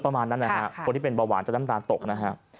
ประมาณนั้นนะฮะคนที่เป็นเบาหวานจะน้ำตาลตกนะฮะ